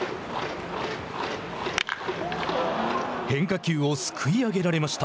変化球をすくい上げられました。